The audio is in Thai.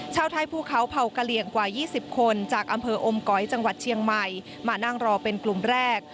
ชาวไทยภูเขาเผากะเหลี่ยงกว่า๒๐คนจากอำเภออมก๋อยจังหวัดเชียงใหม่มานั่งรอเป็นกลุ่มแรก